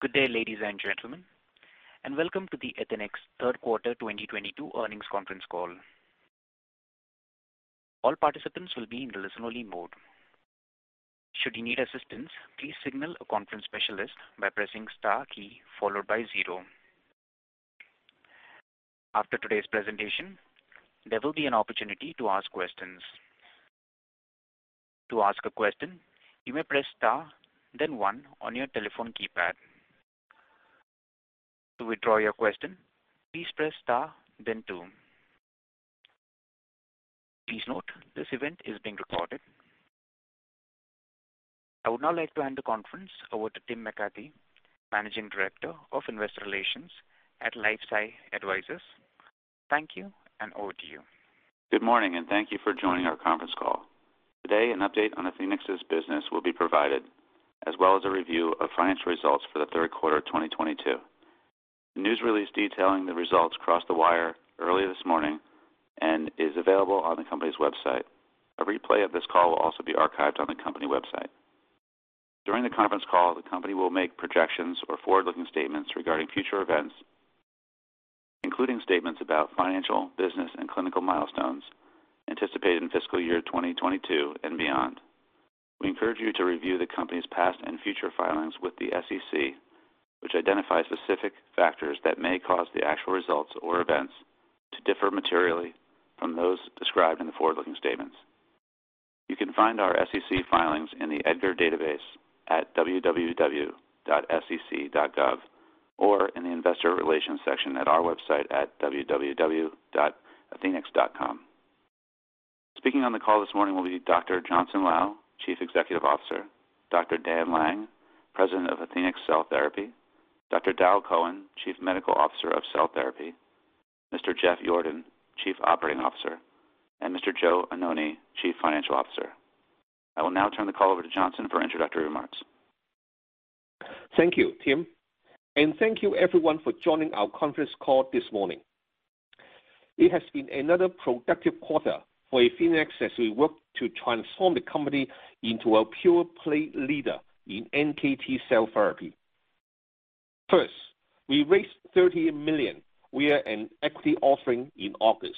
Good day, ladies and gentlemen, and welcome to the Athenex Third Quarter 2022 Earnings Conference Call. All participants will be in listen-only mode. Should you need assistance, please signal a conference specialist by pressing star key followed by zero. After today's presentation, there will be an opportunity to ask questions. To ask a question, you may press star then one on your telephone keypad. To withdraw your question, please press star then two. Please note this event is being recorded. I would now like to hand the conference over to Tim McCarthy, Managing Director of Investor Relations at LifeSci Advisors. Thank you, and over to you. Good morning and thank you for joining our conference call. Today, an update on Athenex's business will be provided, as well as a review of financial results for the third quarter of 2022. The news release detailing the results crossed the wire early this morning and is available on the company's website. A replay of this call will also be archived on the company website. During the conference call, the company will make projections or forward-looking statements regarding future events, including statements about financial, business, and clinical milestones anticipated in fiscal year 2022 and beyond. We encourage you to review the company's past and future filings with the SEC, which identify specific factors that may cause the actual results or events to differ materially from those described in the forward-looking statements. You can find our SEC filings in the EDGAR database at www.sec.gov or in the investor relations section at our website at www.athenex.com. Speaking on the call this morning will be Dr. Johnson Lau, Chief Executive Officer, Dr. Daniel Lang, President of Athenex Cell Therapy, Dr. Darrel Cohen, Chief Medical Officer of Cell Therapy, Mr. Jeffrey Yordon, Chief Operating Officer, and Mr. Joe Annoni, Chief Financial Officer. I will now turn the call over to Johnson for introductory remarks. Thank you, Tim. Thank you everyone for joining our conference call this morning. It has been another productive quarter for Athenex as we work to transform the company into a pure-play leader in NKT cell therapy. First, we raised $30 million via an equity offering in August.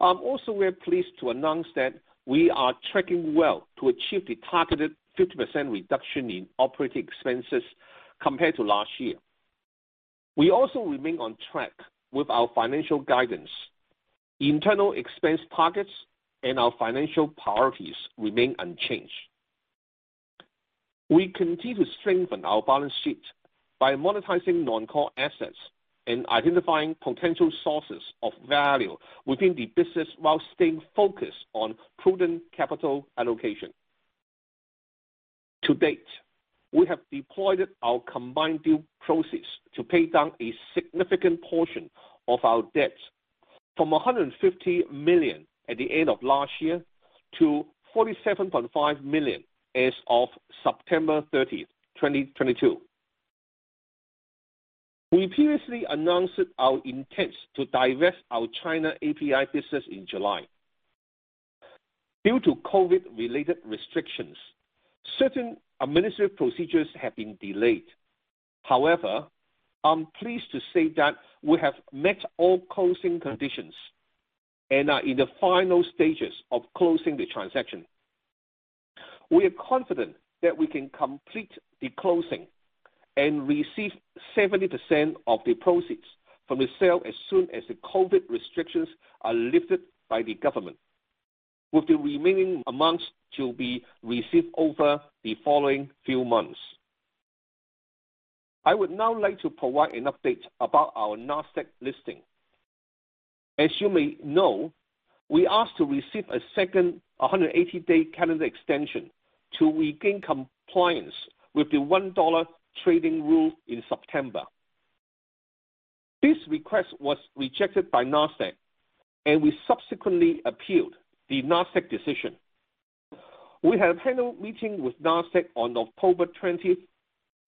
I'm also very pleased to announce that we are tracking well to achieve the targeted 50% reduction in operating expenses compared to last year. We also remain on track with our financial guidance. Internal expense targets and our financial priorities remain unchanged. We continue to strengthen our balance sheet by monetizing non-core assets and identifying potential sources of value within the business while staying focused on prudent capital allocation. To date, we have deployed our combined deal proceeds to pay down a significant portion of our debt from $150 million at the end of last year to $47.5 million as of September 30th, 2022. We previously announced our intent to divest our China API business in July. Due to COVID-related restrictions, certain administrative procedures have been delayed. However, I'm pleased to say that we have met all closing conditions and are in the final stages of closing the transaction. We are confident that we can complete the closing and receive 70% of the proceeds from the sale as soon as the COVID restrictions are lifted by the government, with the remaining amounts to be received over the following few months. I would now like to provide an update about our Nasdaq listing. As you may know, we asked to receive a second 180-day calendar extension to regain compliance with the $1 trading rule in September. This request was rejected by Nasdaq, and we subsequently appealed the Nasdaq decision. We had a panel meeting with Nasdaq on October 20th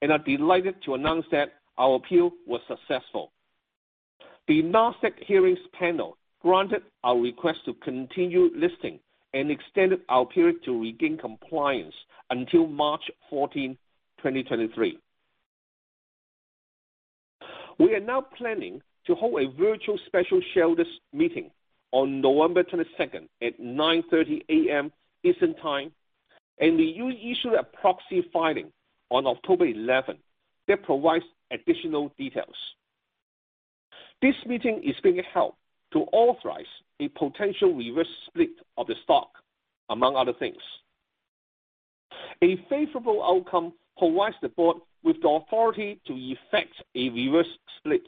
and are delighted to announce that our appeal was successful. The Nasdaq hearings panel granted our request to continue listing and extended our period to regain compliance until March 14th, 2023. We are now planning to hold a virtual special shareholders meeting on November 22nd at 9:30 A.M. Eastern Time, and we issued a proxy filing on October 11th that provides additional details. This meeting is being held to authorize a potential reverse split of the stock, among other things. A favorable outcome provides the board with the authority to effect a reverse split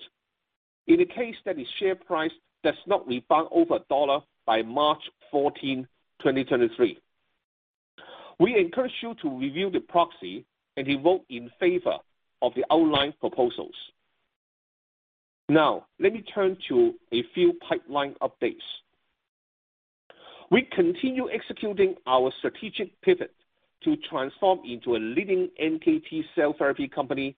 in the case that the share price does not rebound over $1 by March 14th, 2023. We encourage you to review the proxy and vote in favor of the outlined proposals. Now, let me turn to a few pipeline updates. We continue executing our strategic pivot to transform into a leading NKT cell therapy company.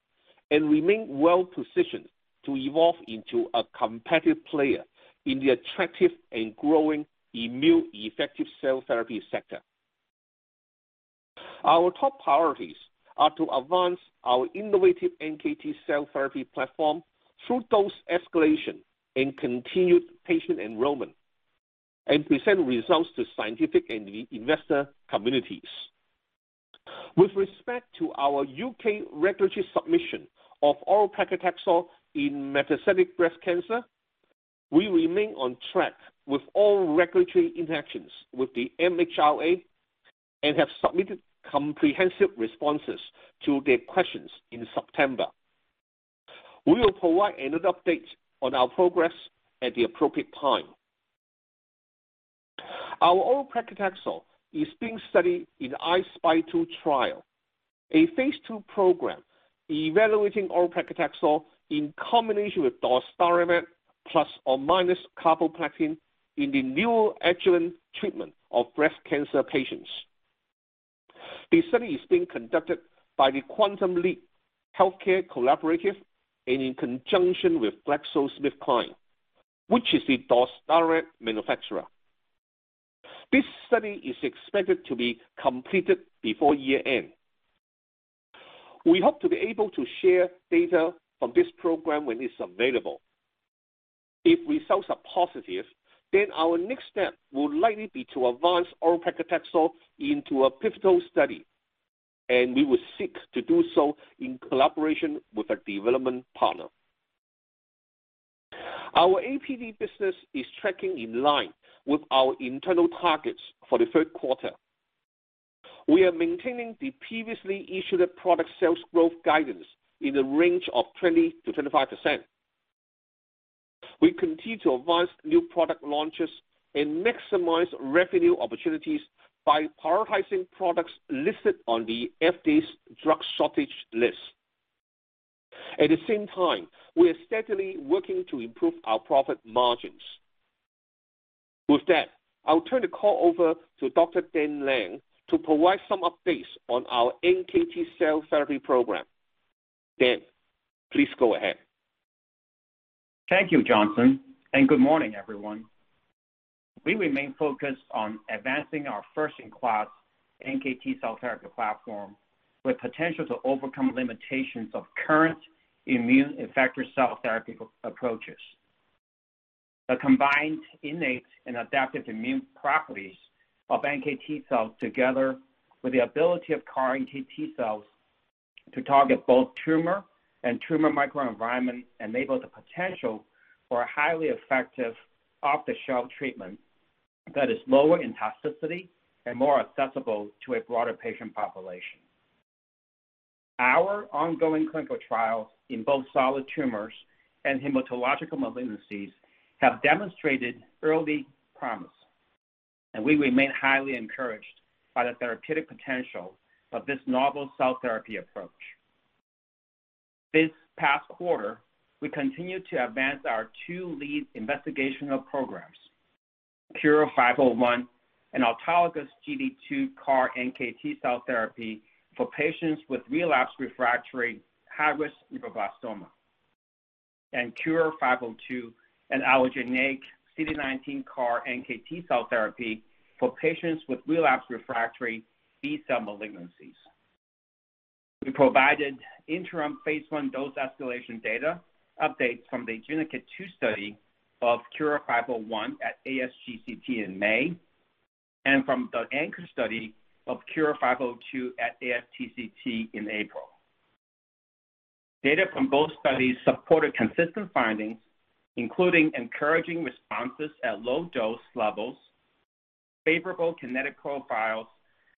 We remain well positioned to evolve into a competitive player in the attractive and growing immune effective cell therapy sector. Our top priorities are to advance our innovative NKT cell therapy platform through dose escalation and continued patient enrollment, and present results to scientific and investor communities. With respect to our U.K. regulatory submission of oral paclitaxel in metastatic breast cancer, we remain on track with all regulatory interactions with the MHRA and have submitted comprehensive responses to their questions in September. We will provide another update on our progress at the appropriate time. Our oral paclitaxel is being studied in I-SPY2 trial, a phase II program evaluating oral paclitaxel in combination with dostarlimab ± carboplatin in the neoadjuvant treatment of breast cancer patients. The study is being conducted by the Quantum Leap Healthcare Collaborative and in conjunction with GlaxoSmithKline, which is the dostarlimab manufacturer. This study is expected to be completed before year-end. We hope to be able to share data from this program when it's available. If results are positive, then our next step will likely be to advance oral paclitaxel into a pivotal study, and we will seek to do so in collaboration with a development partner. Our APD business is tracking in line with our internal targets for the third quarter. We are maintaining the previously issued product sales growth guidance in the range of 20%-25%. We continue to advance new product launches and maximize revenue opportunities by prioritizing products listed on the FDA's drug shortage list. At the same time, we are steadily working to improve our profit margins. With that, I'll turn the call over to Dr. Daniel Lang to provide some updates on our NKT cell therapy program. Dan, please go ahead. Thank you, Johnson, and good morning, everyone. We remain focused on advancing our first-in-class NKT cell therapy platform with potential to overcome limitations of current immune effector cell therapy approaches. The combined innate and adaptive immune properties of NKT cells, together with the ability of CAR-NKT cells to target both tumor and tumor microenvironment, enable the potential for a highly effective off-the-shelf treatment that is lower in toxicity and more accessible to a broader patient population. Our ongoing clinical trials in both solid tumors and hematological malignancies have demonstrated early promise, and we remain highly encouraged by the therapeutic potential of this novel cell therapy approach. This past quarter, we continued to advance our two lead investigational programs, KUR-501, an autologous GD2 CAR-NKT cell therapy for patients with relapsed/refractory high-risk neuroblastoma, and KUR-502, an allogeneic CD19 CAR-NKT cell therapy for patients with relapsed/refractory B-cell malignancies. We provided interim phase I dose escalation data updates from the GINAKIT-2 study of KUR-501 at ASGCT in May, and from the ANCHOR study of KUR-502 at ASTCT in April. Data from both studies supported consistent findings, including encouraging responses at low dose levels, favorable kinetic profiles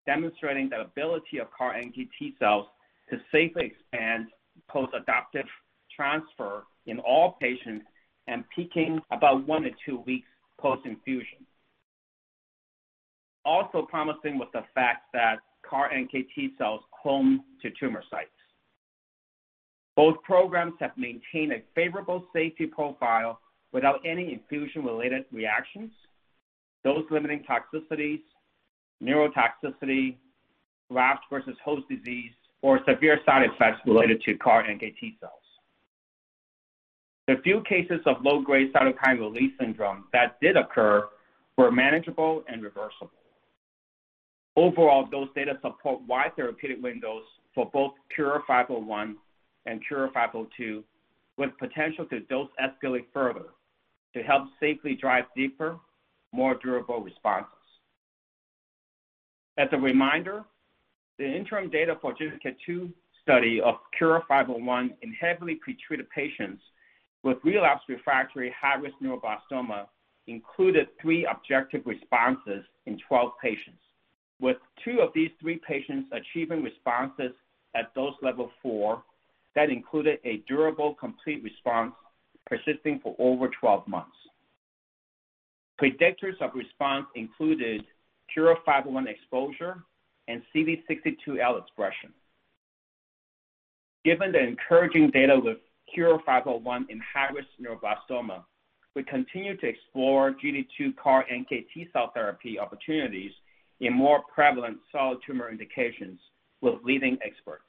demonstrating the ability of CAR-NKT cells to safely expand post-adoptive transfer in all patients and peaking about one-two weeks post-infusion. Also promising is the fact that CAR-NKT cells home to tumor sites. Both programs have maintained a favorable safety profile without any infusion-related reactions, dose-limiting toxicities, neurotoxicity, graft versus host disease, or severe side effects related to CAR-NKT cells. The few cases of low-grade cytokine release syndrome that did occur were manageable and reversible. Overall, those data support wide therapeutic windows for both KUR-501 and KUR-502, with potential to dose escalate further to help safely drive deeper, more durable responses. As a reminder, the interim data for GINAKIT-2 study of KUR-501 in heavily pretreated patients with relapsed refractory high-risk neuroblastoma included three objective responses in 12 patients, with two of these three patients achieving responses at dose level 4 that included a durable complete response persisting for over 12 months. Predictors of response included KUR-501 exposure and CD62L expression. Given the encouraging data with KUR-501 in high-risk neuroblastoma. We continue to explore GD2 CAR-NKT cell therapy opportunities in more prevalent solid tumor indications with leading experts.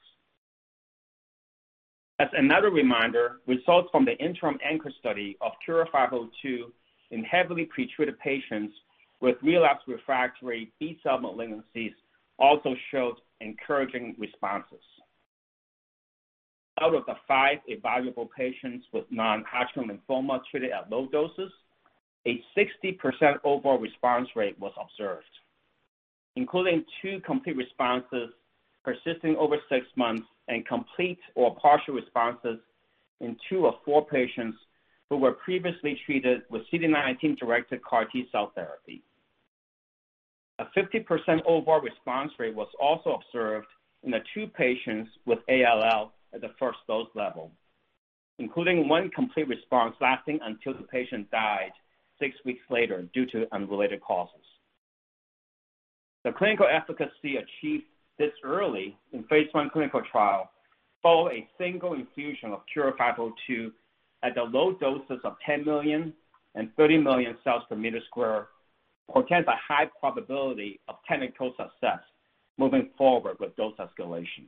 Results from the interim ANCHOR study of KUR-502 in heavily pretreated patients with relapsed refractory B-cell malignancies also showed encouraging responses. Out of the five evaluable patients with non-Hodgkin lymphoma treated at low doses, a 60% overall response rate was observed, including two complete responses persisting over six months and complete or partial responses in two of four patients who were previously treated with CD19-directed CAR-NKT cell therapy. A 50% overall response rate was also observed in the two patients with ALL at the first dose level, including one complete response lasting until the patient died six weeks later due to unrelated causes. The clinical efficacy achieved this early in phase I clinical trial following a single infusion of KUR-502 at the low doses of 10 million and 30 million cells/m² portends a high probability of technical success moving forward with dose escalation.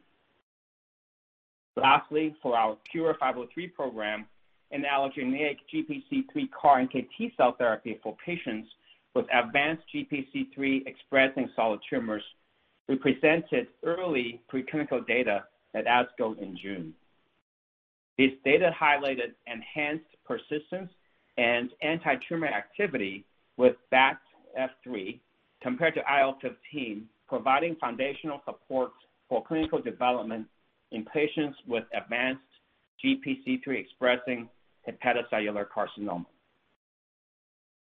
Lastly, for our KUR-503 program, an allogeneic GPC3 CAR-NKT cell therapy for patients with advanced GPC3-expressing solid tumors, we presented early preclinical data at ASCO in June. This data highlighted enhanced persistence and antitumor activity with VAT F3 compared to IL-15, providing foundational support for clinical development in patients with advanced GPC3-expressing hepatocellular carcinoma.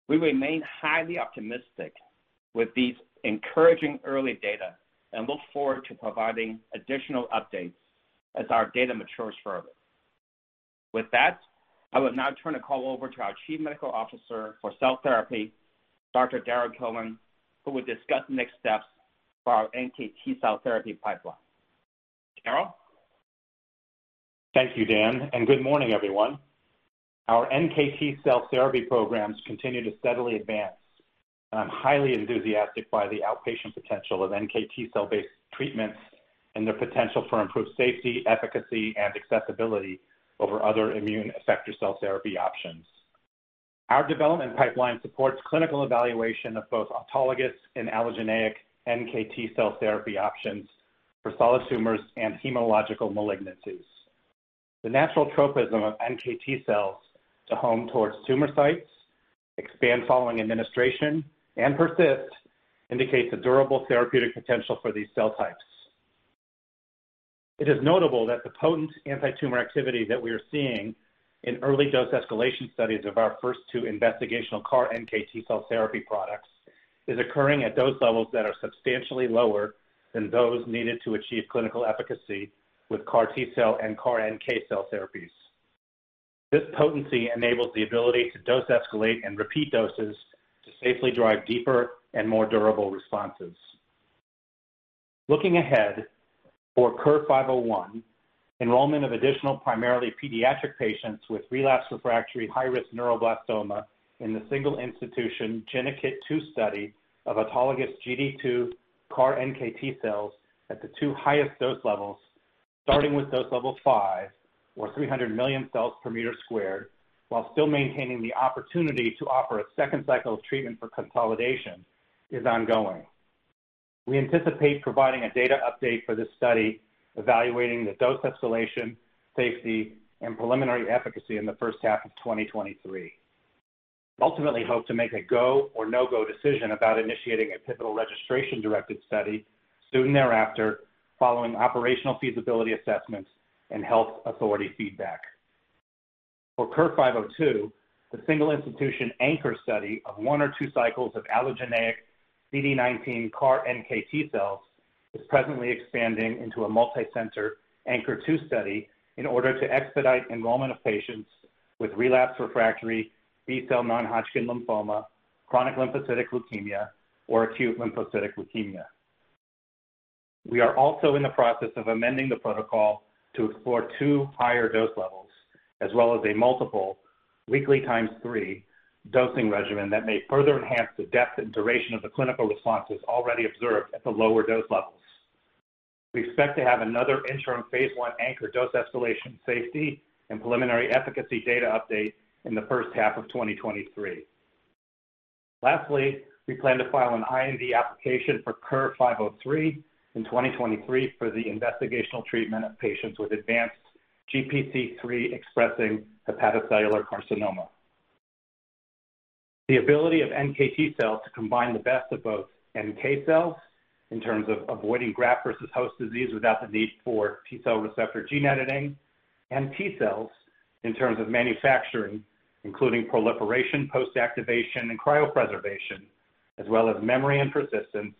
We remain highly optimistic with these encouraging early data and look forward to providing additional updates as our data matures further. With that, I will now turn the call over to our Chief Medical Officer for cell therapy, Dr. Darrel Cohen, who will discuss next steps for our NKT cell therapy pipeline. Darrel? Thank you, Dan, and good morning, everyone. Our NKT cell therapy programs continue to steadily advance, and I'm highly enthusiastic by the outpatient potential of NKT cell-based treatments and their potential for improved safety, efficacy, and accessibility over other immune effector cell therapy options. Our development pipeline supports clinical evaluation of both autologous and allogeneic NKT cell therapy options for solid tumors and hematological malignancies. The natural tropism of NKT cells to home towards tumor sites, expand following administration, and persist indicates a durable therapeutic potential for these cell types. It is notable that the potent antitumor activity that we are seeing in early dose escalation studies of our first two investigational CAR-NKT cell therapy products is occurring at dose levels that are substantially lower than those needed to achieve clinical efficacy with CAR-T cell and CAR-NK cell therapies. This potency enables the ability to dose escalate and repeat doses to safely drive deeper and more durable responses. Looking ahead, for KUR-501, enrollment of additional primarily pediatric patients with relapse-refractory high-risk neuroblastoma in the single-institution GINAKIT-2 study of autologous GD2 CAR-NKT cells at the two highest dose levels, starting with dose level 5 or 300 million cells/m², while still maintaining the opportunity to offer a second cycle of treatment for consolidation, is ongoing. We anticipate providing a data update for this study evaluating the dose escalation, safety, and preliminary efficacy in the first half of 2023. Ultimately hope to make a go or no-go decision about initiating a pivotal registration-directed study soon thereafter following operational feasibility assessments and health authority feedback. For KUR-502, the single-institution ANCHOR study of one or two cycles of allogeneic CD19 CAR-NKT cells is presently expanding into a multicenter ANCHOR2 study in order to expedite enrollment of patients with relapse refractory B-cell non-Hodgkin lymphoma, chronic lymphocytic leukemia, or acute lymphocytic leukemia. We are also in the process of amending the protocol to explore two higher dose levels as well as a multiple weekly x3 dosing regimen that may further enhance the depth and duration of the clinical responses already observed at the lower dose levels. We expect to have another interim phase I ANCHOR dose escalation safety and preliminary efficacy data update in the first half of 2023. Lastly, we plan to file an IND application for KUR-503 in 2023 for the investigational treatment of patients with advanced GPC3 expressing hepatocellular carcinoma. The ability of NKT cells to combine the best of both NK cells in terms of avoiding graft versus host disease without the need for T-cell receptor gene editing and T cells in terms of manufacturing, including proliferation, post-activation, and cryopreservation, as well as memory and persistence,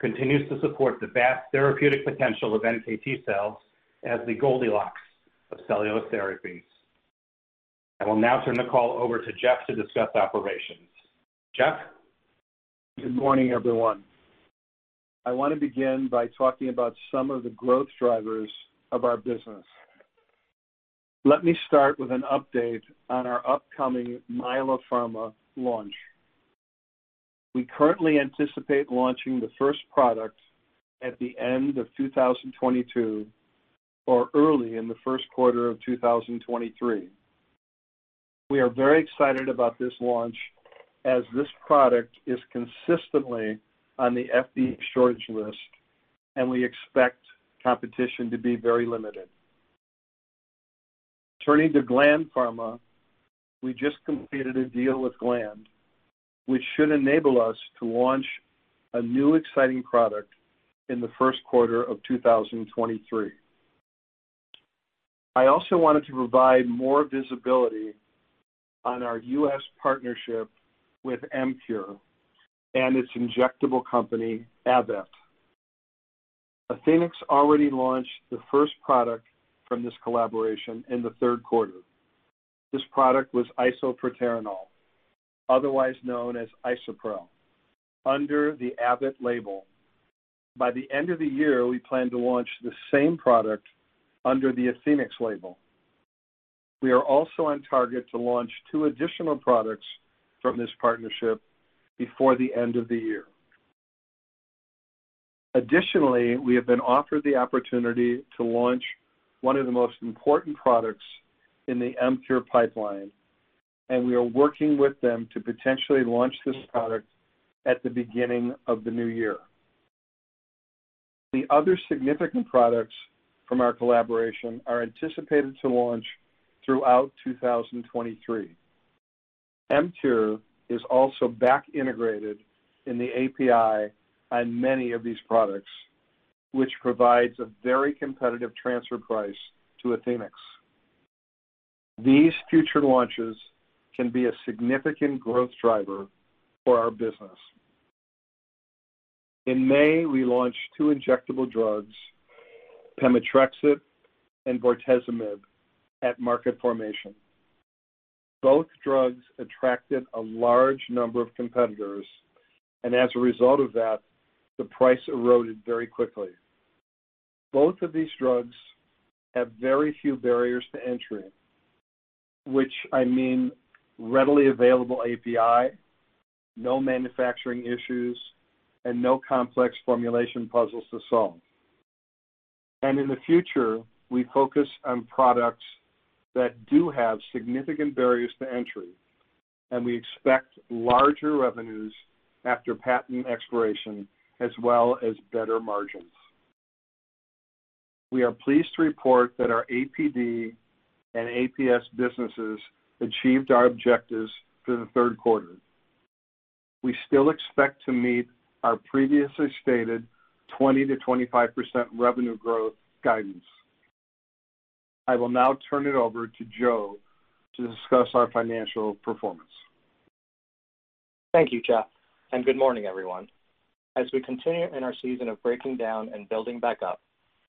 continues to support the vast therapeutic potential of NKT cells as the Goldilocks of cellular therapies. I will now turn the call over to Jeff to discuss operations. Jeff? Good morning, everyone. I wanna begin by talking about some of the growth drivers of our business. Let me start with an update on our upcoming Milla Pharmaceuticals launch. We currently anticipate launching the first product at the end of 2022 or early in the first quarter of 2023. We are very excited about this launch as this product is consistently on the FDA shortage list, and we expect competition to be very limited. Turning to Gland Pharma, we just completed a deal with Gland, which should enable us to launch a new exciting product in the first quarter of 2023. I also wanted to provide more visibility on our U.S. partnership with AMPURE and its injectable company, Abbott. Athenex already launched the first product from this collaboration in the third quarter. This product was isoproterenol, otherwise known as ISUPREL, under the Abbott label. By the end of the year, we plan to launch the same product under the Athenex label. We are also on target to launch two additional products from this partnership before the end of the year. Additionally, we have been offered the opportunity to launch one of the most important products in the AMPURE pipeline, and we are working with them to potentially launch this product at the beginning of the new year. The other significant products from our collaboration are anticipated to launch throughout 2023. AMPURE is also back integrated in the API on many of these products, which provides a very competitive transfer price to Athenex. These future launches can be a significant growth driver for our business. In May, we launched two injectable drugs, Pemetrexed and Bortezomib, at market formation. Both drugs attracted a large number of competitors, and as a result of that, the price eroded very quickly. Both of these drugs have very few barriers to entry, which I mean readily available API, no manufacturing issues, and no complex formulation puzzles to solve. In the future, we focus on products that do have significant barriers to entry, and we expect larger revenues after patent expiration, as well as better margins. We are pleased to report that our APD and APS businesses achieved our objectives for the third quarter. We still expect to meet our previously stated 20%-25% revenue growth guidance. I will now turn it over to Joe to discuss our financial performance. Thank you, Jeff, and good morning, everyone. As we continue in our season of breaking down and building back up,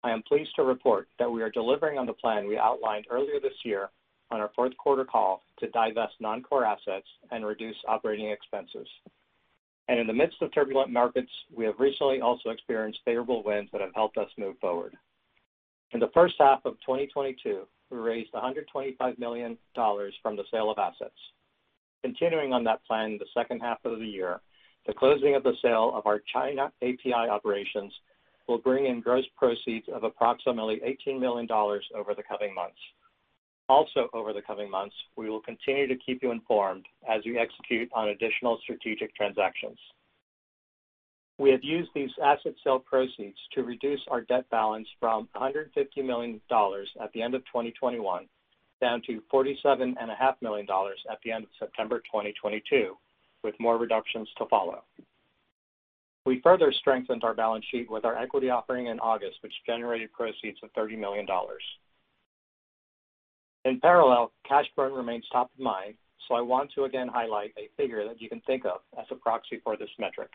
I am pleased to report that we are delivering on the plan we outlined earlier this year on our fourth quarter call to divest non-core assets and reduce operating expenses. In the midst of turbulent markets, we have recently also experienced favorable wins that have helped us move forward. In the first half of 2022, we raised $125 million from the sale of assets. Continuing on that plan, the second half of the year, the closing of the sale of our China API operations will bring in gross proceeds of approximately $18 million over the coming months. Also, over the coming months, we will continue to keep you informed as we execute on additional strategic transactions. We have used these asset sale proceeds to reduce our debt balance from $150 million at the end of 2021 down to $47.5 million at the end of September 2022, with more reductions to follow. We further strengthened our balance sheet with our equity offering in August, which generated proceeds of $30 million. In parallel, cash burn remains top of mind, so I want to again highlight a figure that you can think of as a proxy for this metric.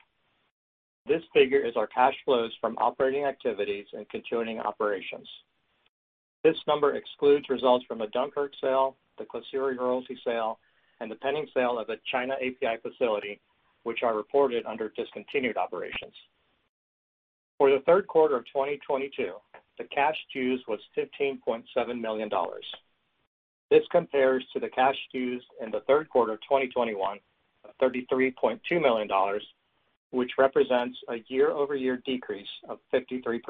This figure is our cash flows from operating activities and continuing operations. This number excludes results from the Dunkirk sale, the Klisyri royalty sale, and the pending sale of the China API facility, which are reported under discontinued operations. For the third quarter of 2022, the cash used was $15.7 million. This compares to the cash used in the third quarter of 2021, of $33.2 million, which represents a year-over-year decrease of 53%.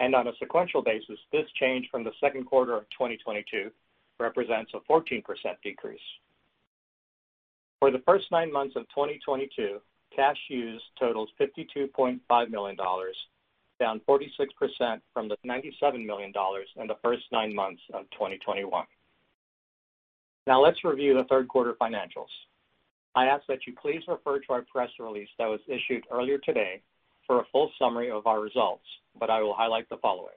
On a sequential basis, this change from the second quarter of 2022 represents a 14% decrease. For the first nine months of 2022, cash used totals $52.5 million, down 46% from the $97 million in the first nine months of 2021. Now let's review the third quarter financials. I ask that you please refer to our press release that was issued earlier today for a full summary of our results, but I will highlight the following.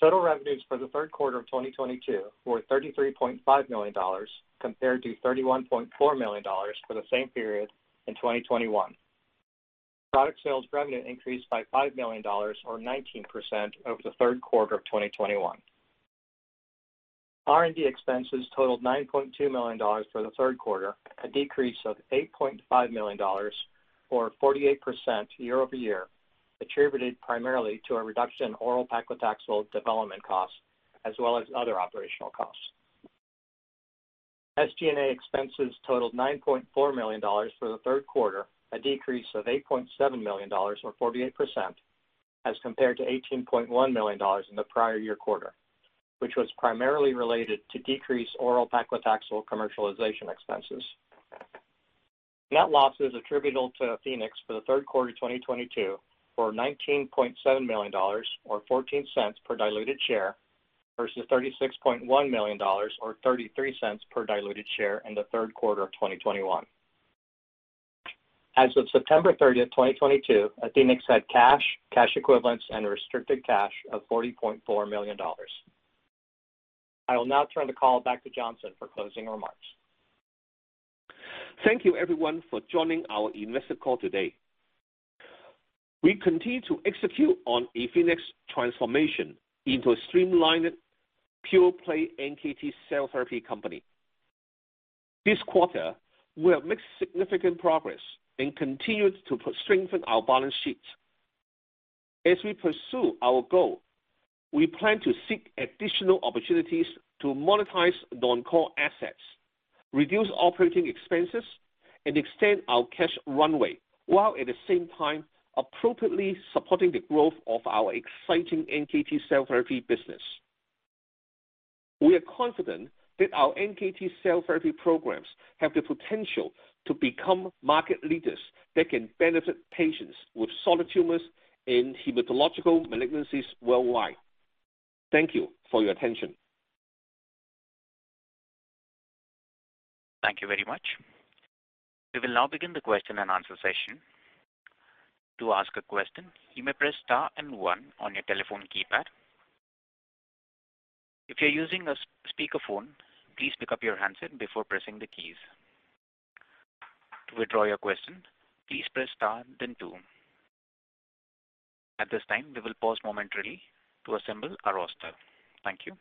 Total revenues for the third quarter of 2022 were $33.5 million, compared to $31.4 million for the same period in 2021. Product sales revenue increased by $5 million or 19% over the third quarter of 2021. R&D expenses totaled $9.2 million for the third quarter, a decrease of $8.5 million or 48% year-over-year, attributed primarily to a reduction in oral paclitaxel development costs as well as other operational costs. SG&A expenses totaled $9.4 million for the third quarter, a decrease of $8.7 million or 48% as compared to $18.1 million in the prior year quarter, which was primarily related to decreased oral paclitaxel commercialization expenses. Net losses attributable to Athenex for the third quarter 2022 were $19.7 million or $0.14 per diluted share versus $36.1 million or $0.33 per diluted share in the third quarter of 2021. As of September 30th, 2022, Athenex had cash equivalents and restricted cash of $40.4 million. I will now turn the call back to Johnson for closing remarks. Thank you everyone for joining our investor call today. We continue to execute on Athenex transformation into a streamlined pure-play NKT cell therapy company. This quarter, we have made significant progress and continued to strengthen our balance sheet. As we pursue our goal, we plan to seek additional opportunities to monetize non-core assets, reduce operating expenses, and extend our cash runway, while at the same time appropriately supporting the growth of our exciting NKT cell therapy business. We are confident that our NKT cell therapy programs have the potential to become market leaders that can benefit patients with solid tumors and hematological malignancies worldwide. Thank you for your attention. Thank you very much. We will now begin the question and answer session. To ask a question, you may press star and one on your telephone keypad. If you're using a speakerphone, please pick up your handset before pressing the keys. To withdraw your question, please press star then two. At this time, we will pause momentarily to assemble our roster. Thank you.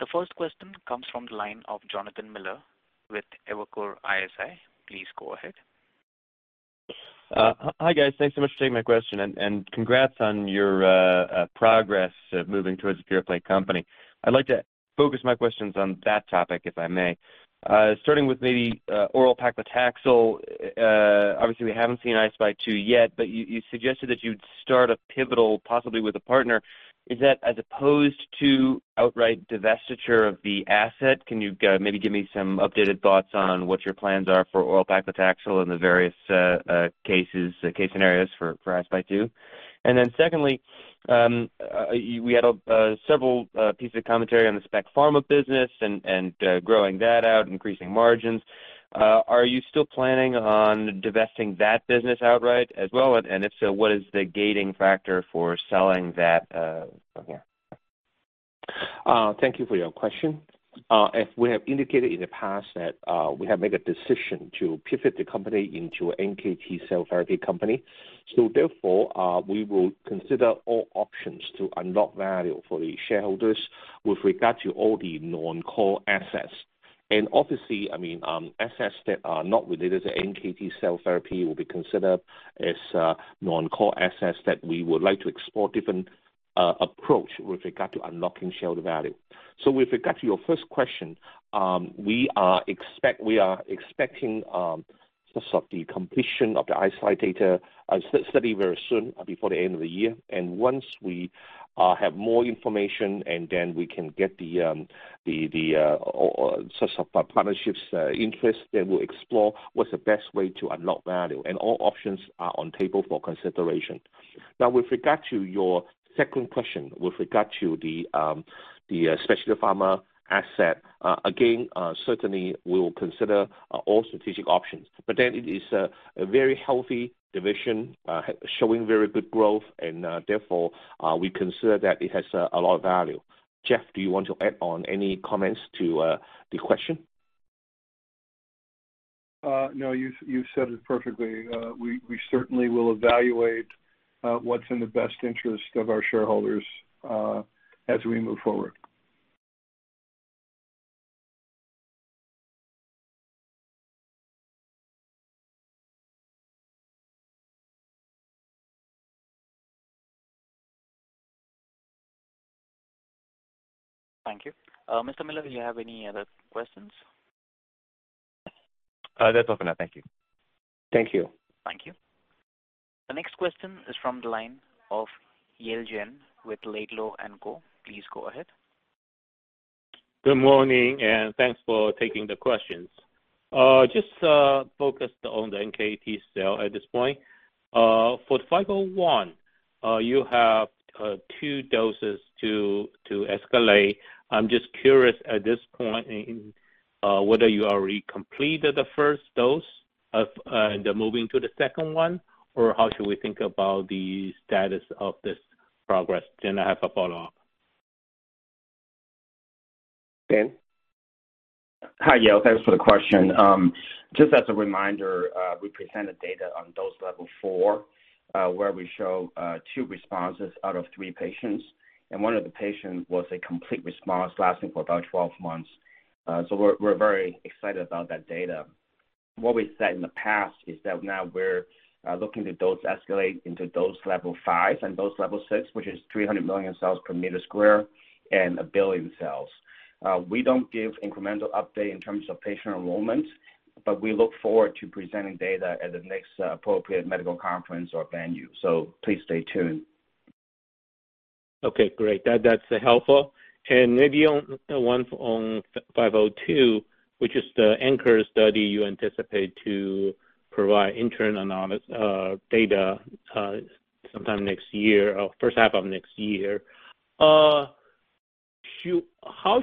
The first question comes from the line of Jonathan Miller with Evercore ISI. Please go ahead. Hi guys. Thanks so much for taking my question and congrats on your progress moving towards a pure-play company. I'd like to focus my questions on that topic, if I may. Starting with maybe oral paclitaxel. Obviously we haven't seen I-SPY2 yet, but you suggested that you'd start a pivotal, possibly with a partner. Is that as opposed to outright divestiture of the asset? Can you maybe give me some updated thoughts on what your plans are for oral paclitaxel in the various case scenarios for I-SPY2? Secondly, we had several pieces of commentary on the Specialty Pharma business and growing that out, increasing margins. Are you still planning on divesting that business outright as well? If so, what is the gating factor for selling that, yeah? Thank you for your question. As we have indicated in the past that we have made a decision to pivot the company into NKT cell therapy company, therefore we will consider all options to unlock value for the shareholders with regard to all the non-core assets. Obviously, I mean, assets that are not related to NKT cell therapy will be considered as non-core assets that we would like to explore different approach with regard to unlocking shareholder value. With regard to your first question, we are expecting sort of the completion of the I-SPY data study very soon, before the end of the year. Once we have more information and then we can get the sort of partnerships interest, then we'll explore what's the best way to unlock value, and all options are on table for consideration. Now, with regard to your second question, the specialty pharma asset, again, certainly we will consider all strategic options. It is a very healthy division, showing very good growth and, therefore, we consider that it has a lot of value. Jeff, do you want to add any comments to the question? No, you said it perfectly. We certainly will evaluate what's in the best interest of our shareholders, as we move forward. Thank you. Mr. Miller, do you have any other questions? That's all for now. Thank you. Thank you. Thank you. The next question is from the line of Yale Jen with Laidlaw & Co. Please go ahead. Good morning, and thanks for taking the questions. Just focused on the NKT cell at this point. For the KUR-501, you have two doses to escalate. I'm just curious at this point in whether you already completed the first dose and moving to the second one, or how should we think about the status of this progress? I have a follow-up. Dan? Hi, Yale. Thanks for the question. Just as a reminder, we presented data on dose level 4, where we show two responses out of three patients, and one of the patients was a complete response, lasting for about 12 months. We're very excited about that data. What we said in the past is that now we're looking to dose escalate into dose level 5 and dose level 6, which is 300 million cells/m² and 1 billion cells. We don't give incremental update in terms of patient enrollment, but we look forward to presenting data at the next appropriate medical conference or venue. Please stay tuned. Okay, great. That's helpful. Maybe on KUR-502, which is the ANCHOR study you anticipate to provide interim analysis data sometime next year or first half of next year. How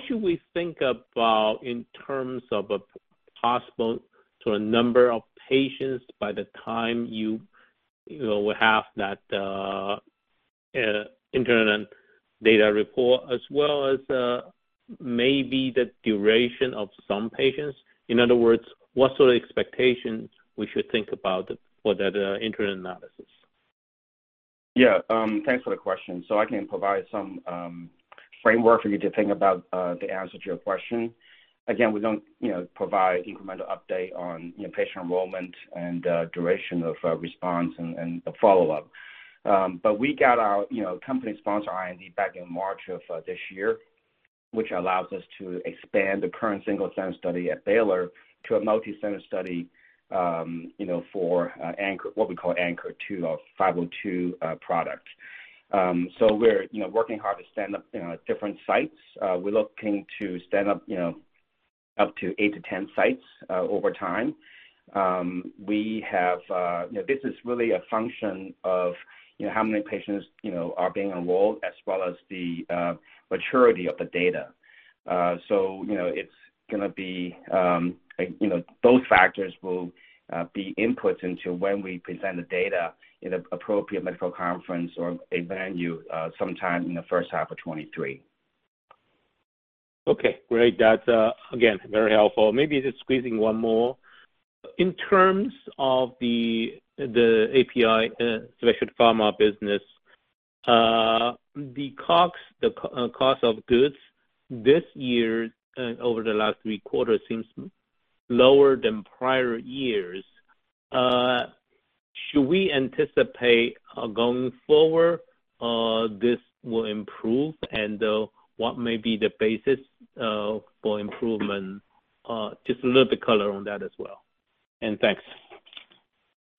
should we think about in terms of a possible sort of number of patients by the time you know will have that interim data report as well as maybe the duration of some patients? In other words, what sort of expectations we should think about for that interim analysis? Yeah, thanks for the question. I can provide some framework for you to think about to answer your question. Again, we don't, you know, provide incremental update on, you know, patient enrollment and duration of response and the follow-up. We got our, you know, company sponsor IND back in March of this year, which allows us to expand the current single center study at Baylor to a multicenter study, you know, for ANCHOR, what we call ANCHOR 2 or KUR-502 product. We're, you know, working hard to stand up, you know, at different sites. We're looking to stand up, you know, up to eight-10 sites over time. We have... You know, this is really a function of, you know, how many patients, you know, are being enrolled as well as the, maturity of the data. You know, it's gonna be, you know, both factors will be input into when we present the data in an appropriate medical conference or a venue, sometime in the first half of 2023. Okay, great. That's again very helpful. Maybe just squeezing one more. In terms of the API specialty pharma business, the COGS, cost of goods this year over the last three quarters seems lower than prior years. Should we anticipate going forward this will improve and what may be the basis for improvement? Just a little bit color on that as well. Thanks.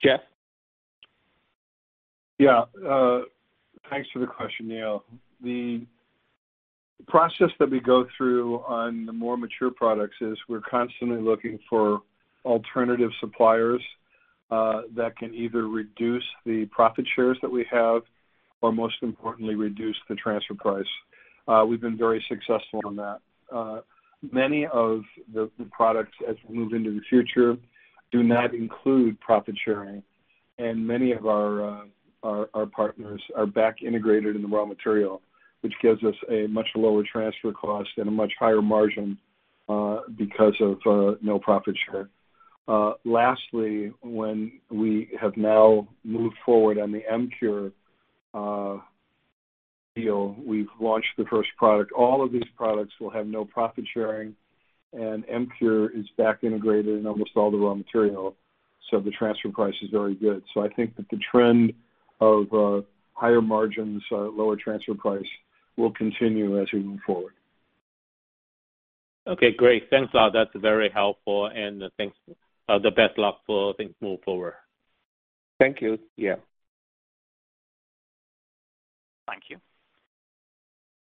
Jeff? Yeah. Thanks for the question, Yale. The process that we go through on the more mature products is we're constantly looking for alternative suppliers that can either reduce the profit shares that we have or most importantly, reduce the transfer price. We've been very successful on that. Many of the products as we move into the future do not include profit sharing, and many of our partners are back integrated in the raw material, which gives us a much lower transfer cost and a much higher margin because of no profit share. Lastly, when we have now moved forward on the AMPURE deal, we've launched the first product. All of these products will have no profit sharing, and AMPURE is back integrated in almost all the raw material, so the transfer price is very good. I think that the trend of higher margins or lower transfer price will continue as we move forward. Okay, great. Thanks a lot. That's very helpful. Thanks. The best of luck as things move forward. Thank you, Yale. Thank you.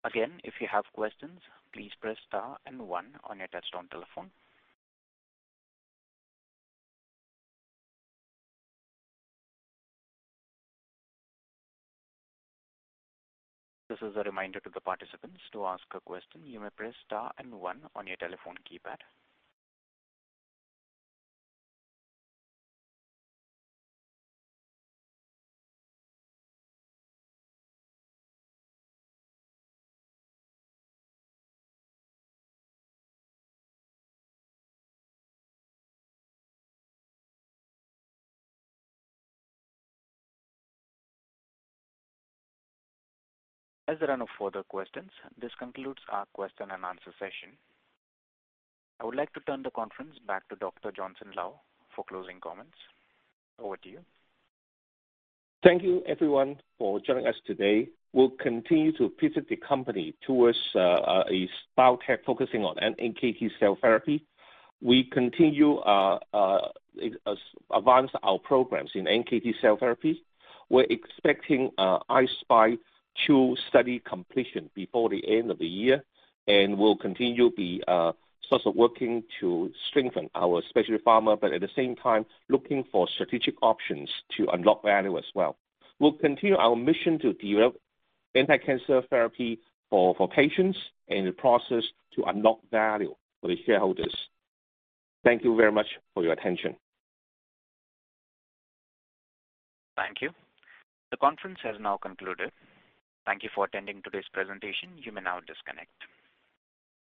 Again, if you have questions, please press star and one on your touchtone telephone. This is a reminder to the participants to ask a question, you may press star and one on your telephone keypad. As there are no further questions, this concludes our question and answer session. I would like to turn the conference back to Dr. Johnson Lau for closing comments. Over to you. Thank you everyone for joining us today. We'll continue to pivot the company towards a biotech focusing on NKT cell therapy. We continue to advance our programs in NKT cell therapy. We're expecting I-SPY2 study completion before the end of the year, and we'll continue to sort of work to strengthen our specialty pharma, but at the same time looking for strategic options to unlock value as well. We'll continue our mission to develop anticancer therapy for patients and the process to unlock value for the shareholders. Thank you very much for your attention. Thank you. The conference has now concluded. Thank you for attending today's presentation. You may now disconnect.